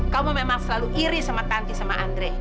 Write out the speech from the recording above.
kamu memang selalu iri sama tanti sama andre